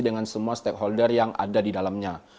dengan semua stakeholder yang ada di dalamnya